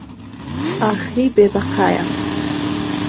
ئاخری بێبهقایه